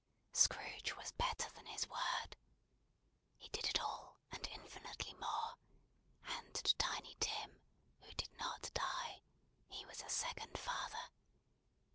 Scrooge was better than his word. He did it all, and infinitely more; and to Tiny Tim, who did NOT die, he was a second father.